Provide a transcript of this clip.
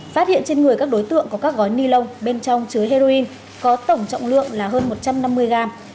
phát hiện trên người các đối tượng có các gói ni lông bên trong chứa heroin có tổng trọng lượng là hơn một trăm năm mươi gram